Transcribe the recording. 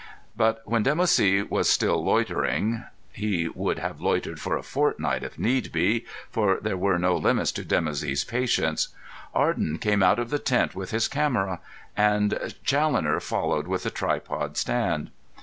But while Dimoussi was still loitering—he would have loitered for a fortnight if need be, for there were no limits to Dimoussi's patience—Arden came out of the tent with his camera, and Challoner followed with a tripod stand.